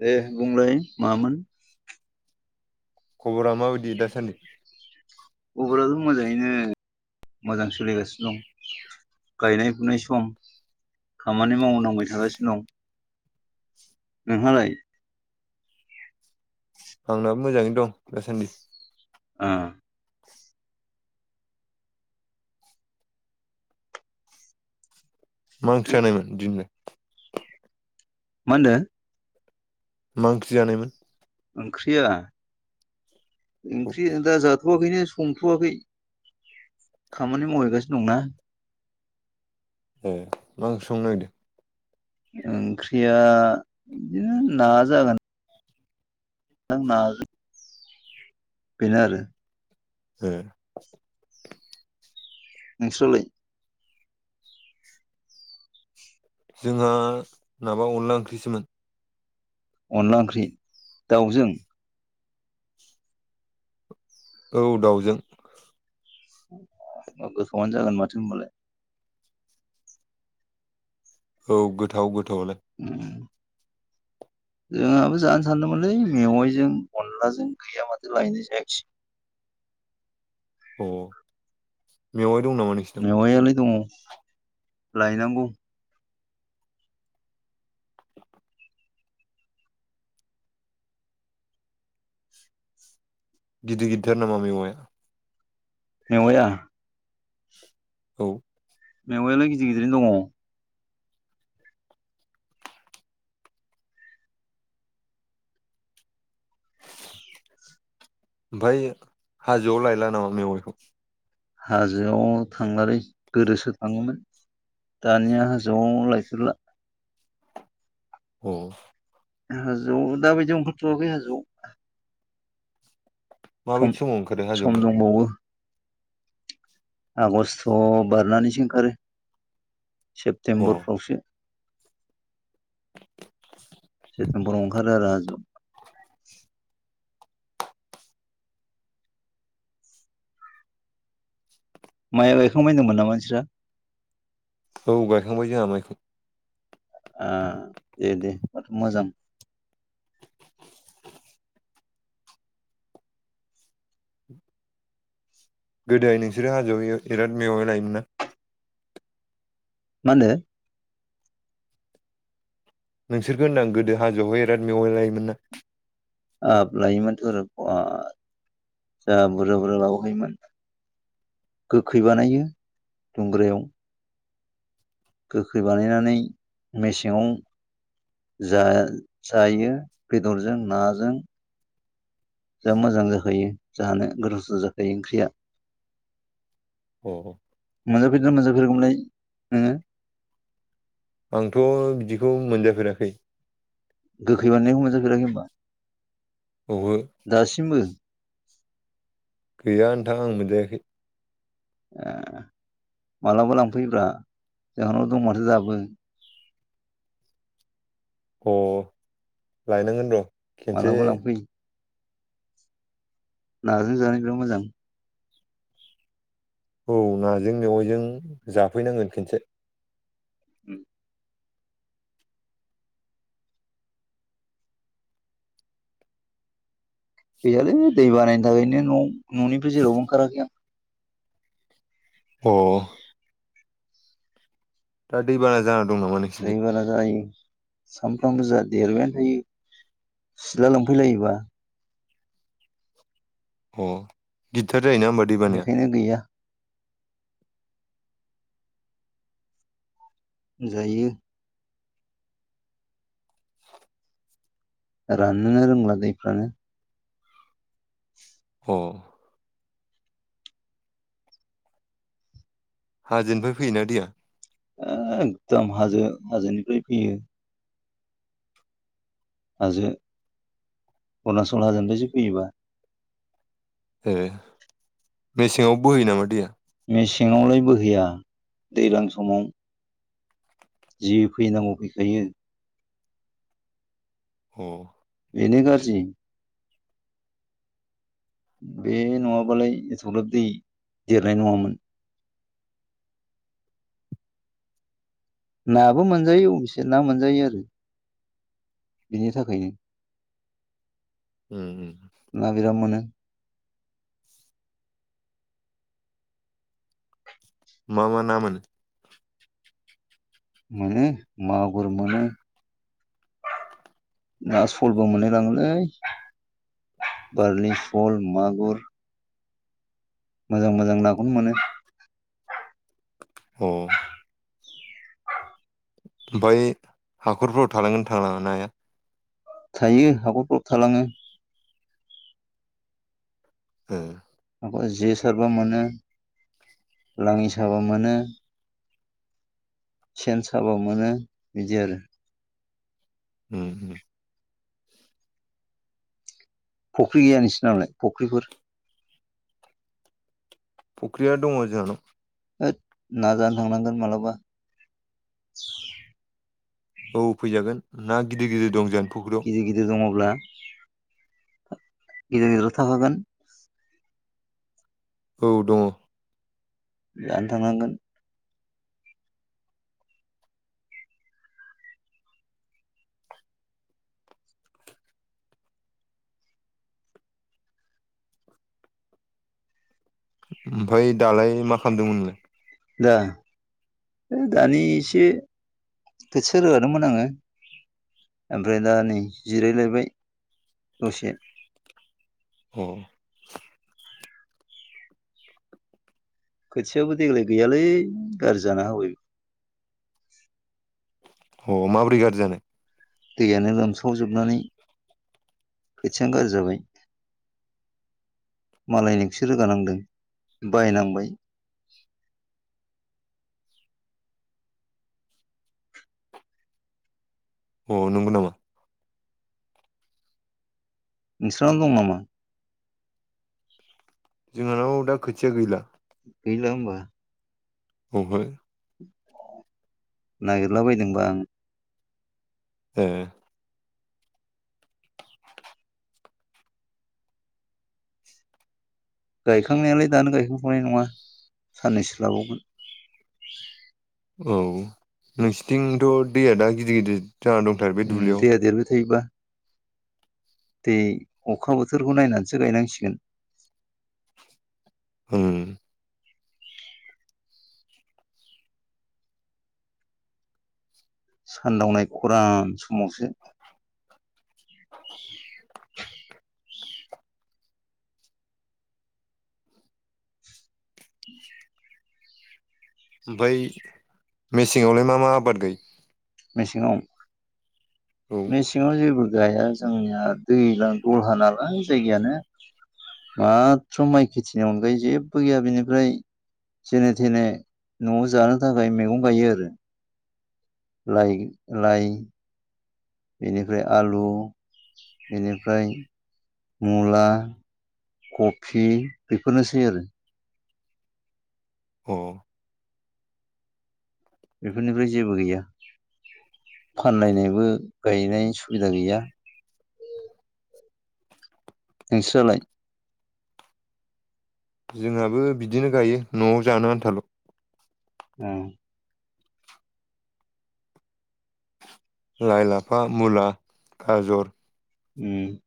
दे बुंलाय मामोन। खबरा माबायदि दासान्दि खबराथ' मोजाङैनो मोजां सोलिगासिनो दं गायनाय फुनाय सम खामानि मावनांबाय थागासिनो दं। नोंहालाय आंनाबो मोङै दं दासान्दि ओ मा ओंख्रि जानायमोन दिनै? मा होनदो? मा ओंख्रि जानायमोन? ओंख्रिया औ ओंख्रि दा जाथ'आखैनो संथ'वाखै खामानि मावहैगासिनो दंना। ए मा ओंख्रि संनो नागिरदों? ओंख्रिया बिदिनो ना जागोन। थां ना बेनो आरो हो नोंस्रा लाय? जोंहा माबा अनला ओंख्रिसोमोन। अनला ओंख्रि दाउजों औ दाउजों गोथावा जागोन माथो होनबालाय। औ गोथाव गोथावलाय उम जोंहाबो जानो सानदोंमोनलै मेवाइजों अनलाजों गैया माथो लायनाय जायाखसै। अ मेवाय दं नामा नोंसि मेवायालाय दङ लायनांगौ। गिदिर गिदिरथार नामा मेवाया? मेवाया? औ मैगंआालाय गिदिर गिदिरनो दङ। ओमफ्राय हाजोआव लायला नामा मेवाइखौ हाजोआव थांलालै गोदोसो थाङोमोन। दानिया जौआव लायफेरला। अ' हाजोआव दााबायदि ओंखारथ'वाखै हाजोआव। सम माबायदि समाव ओंखारो सम हाजोआवहाय दंबावो। आग'स्ट बारनानैसो ओंखारो अ सेप्तेम्ब'रफ्रावसो। सेप्तेम्ब'राव ओंखारो आरो हाजोआव। माइ गाइखांबाय होन्दोंमोन नामा नोंस्रा? औ गायखांबाय जोंहा माइखौ। आ दे दे होमबाथ' मोजां। गोदोहाय नोंसोरो हाजोआव बिराद मेवाय लायोमोनना? मा होनदों? नोंसोरखौ होनदां गोदो हाजोआवहाय बिराद मेवाइ लायोमोन ना? हाब लायोमोनथ' आरो बाब बेराद जा बुरजा-बुरजा लाबोखायोमोन। गोखै बानायो दुंग्रायाव। गोखै बानायनानै मेसेङाव जा जायो बेदरजों नाजों। जा मोजां जाखायो जानो गोथावथार जाखायो ओंख्रिया। औ औ मोनजाफेरदोंना मोनजाफेराखैमोनलाय नोङो? आंथ' बिदिखौ मोनजाफेराखै। गोखै बानायनायखौ मोनजाफेराखै होनबा? ओहो दासिमबो? गैया नोंथां आं मोनजायाखै। ए मालाबा लांफैब्रा जोंहानाव दं माथो दाबो। अ' लायनांगोन दे। मालाबा लांफै। नाजों जानो बिराद मोजां। औ नाजों मेवाइजों जाफैनांगोन खनसे। उम गैयालै दै बानायनि थाखायनो न' न'निबो जेरावबो ओंखाराखै आं। अ' दा दैबाना जाना दं नामा? नोंसिनिथिं दैैबाना जायो। सानफ्रामबो जा देरबायानो थायो सिथला लोम्फैलायोबा। अ' गिदिरथार जायो ना होनबा? बेखायनो गैया। जायो। राननोनो रोंला दैफ्रानो। अ' हाजोनिफ्राय फैयोना दैया? एकदम हाजो हाजोनिफ्राय फैयो। हाजो अरुनाचल हाजोनिफायसो फैयोबा। ए मेसेङाव बोहैयो नामा दैया? मेसेङावलाय बोहैया। दैज्लां समाव जि फैनांगौ फैखायो। अ' बेनो गाज्रि। बे नङाबालाय एथग्राब दै देरनाय नङामोन। नाबो मोनजायो अबेसे ना मोनजायो आरो। बिनि थाखायनो। उम उम ना बिराद मोनो। मा मा ना मोनो? मोनो मागुर मोनो। ना सलबो मोनलाय लाङोलै। बारलि, सल, मागुर मोजां मोजां नाखौनो मोनो। अ' ओमफाय हाखरफोराव थालाङो ना थालाङा नाया? थायो हाखरफ्राव थालाङो। ओ ओ जे सारबा मोनो। लाङि साबा मोनो। सेन साबा मोनो बिदि आरो। उम उम फख्रि गैया नोंसिनावलाय? फख्रिफोर फख्रिया दङ जाहानाव। होद ना जानो थांनांगोन मालाबा। औ फैजागोन ना गिदिर गिदिर दं जोंनि फुख्रिआव। गिदिर गिदिर दङब्ला गिदिर गिदिराथ' थाखागोन। औ दङ। जानो थांनांगोन। ओमफाय दालाय मा खालामदोंमोन नोंलाय? दा दानि एसे खोथिया रोगादोंमोन आङो। ओमफाय दा नै जिरायलायबाय दसे। अ' खोथियाबो देग्लाय गैयालै गाज्रि जाना होबाय। अ' माबोरै गाज्रि जानाय? दैयानो लोमस्रावजोबनानै खोथियानो गाज्रि जाबाय। मालायनिखोसो रोगानांदों बायनांबाय। अ' नंगौ नामा? नोंस्रानाव दं नामा? जोंहानाव दा खोथिया गैला। गैला होमबा? औ हो नागिरला बायदोंबा आं ओ गायखांनायालाय दानो गायखांथ'नाय नङा साननैसो लाबावगोन। औ नोंसिथिंथ दैया दा गिदिर गिदिर जा दं उम दैया देरबाय थायोबा। दै अखा बोथोरखौ नायनानैसो गायनांसिगोन। औ सानदावनाय खरान समावसो [inaudible] [inaudible] [inaudible] [inaudible] ओमफाय मेसेंआवलाय मा मा आबाद गायो? मेसेङाव मेसे सिङाव जेबो गाया जोंनिया दैलां दलहा नालाय जायगायानो। माथ्र माइ खेथिनि अनगायै जेबो गैया बिनिफ्राय थेने थेने न'आव जानो थाखाय मैगं गायो आरो। लाइ लाइ बेनिफ्राय आलु बेनिफ्राय मुला कफि बेफोरनोसै आरो। [unintelligible] बेफोरनिफ्राय जेबो गैया फानलायनायबो गायनाय सुबिदा गैया। नोंस्रलाय? जोंहाबो बिदिनो गायो न'आव जानो आन्थाल'। [unintelligible] लाइ-लाफा, मुला, गाजर [inaudible]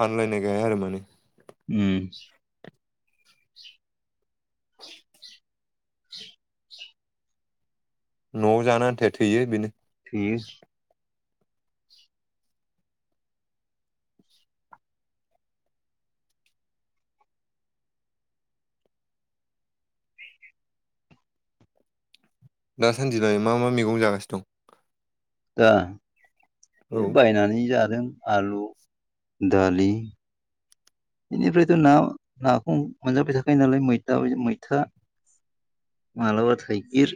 फानलायनाय गाया आरो माने। उम [unintelligible] न'आव जानो आन्थायाया थैयो बेनो। [unintelligible] दाासानदिबाय मा मा मैगं जागानो दं। दा बे दं? बायनानै जादों आलु दालि बेनिफ्रायथ' ना नाखौ मोनजाबाय थाखायो नालाय मैथा मैथा। मलाबा ह गिर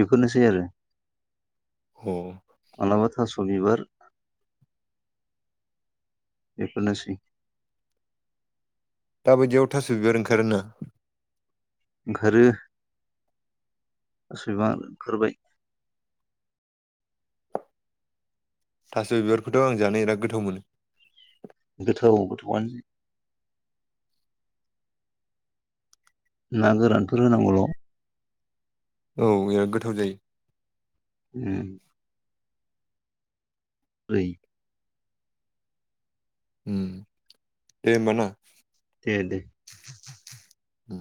बेफोरनोसै आरो। [unintelligible] माबलाबाथा सबिबार बेफोरनोसै दााबायदियाव थास' बिबार ओंखारोना। ओंखारखार सबां ओंखारबाय। थास' बिबारखौथ' आं जानो बिराद गोथाव मोनो। गोथौ गोथौआनो। ना गोरानफोर होनांगौल'। औ बे गोथाव जायो। [unintelligible] ओै दे होमबा ना? दे द उ